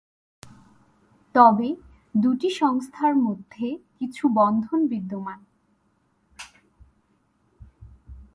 তবে, দুটি সংস্থার মধ্যে কিছু বন্ধন বিদ্যমান।